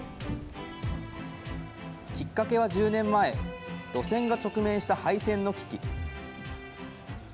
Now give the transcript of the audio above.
きっかけは１０年前、路線が直面した廃線の危機。